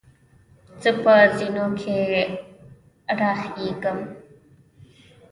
زۀ په زینو کې راخېږم.